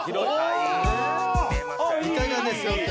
いかがでしょうか？